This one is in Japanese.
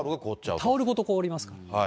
タオルごと凍りますから。